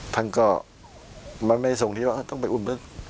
ท่านก็ไม่ส่งที่ว่าต้องไปอุ่น